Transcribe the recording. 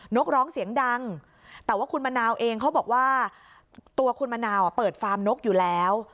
กร้องเสียงดังแต่ว่าคุณมะนาวเองเขาบอกว่าตัวคุณมะนาวเปิดฟาร์มนกอยู่แล้ว